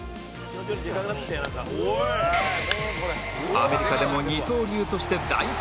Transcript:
アメリカでも二刀流として大活躍